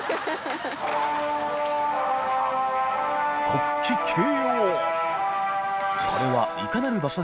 国旗掲揚）